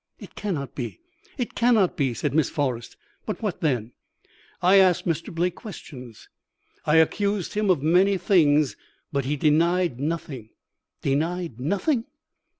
"'It cannot be! It cannot be!' said Miss Forrest. 'But what then?' "'I asked Mr. Blake questions. I accused him of many things, but he denied nothing.' "'Denied nothing?'